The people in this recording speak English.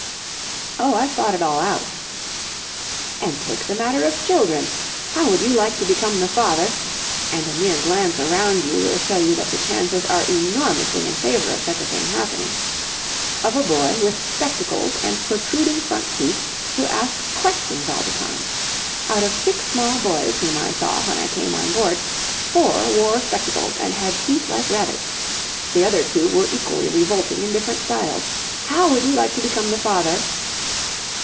"Oh, I've thought it all out." "And take the matter of children. How would you like to become the father—and a mere glance around you will show you that the chances are enormously in favour of such a thing happening—of a boy with spectacles and protruding front teeth who asks questions all the time? Out of six small boys whom I saw when I came on board, four wore spectacles and had teeth like rabbits. The other two were equally revolting in different styles. How would you like to become the father...?"